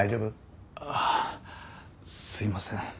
ああすいません。